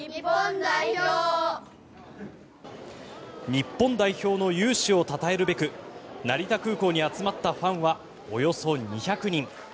日本代表の雄姿をたたえるべく成田空港に集まったファンはおよそ２００人。